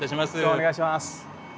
お願いします。